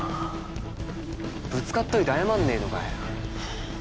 ぶつかっといて謝んねえのかよ。